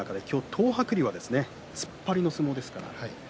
東白龍は突っ張りの相撲ですね。